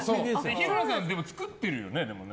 日村さんでも作ってるよね。